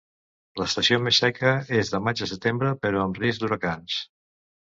L'estació més seca és de maig a setembre, però amb risc d'huracans.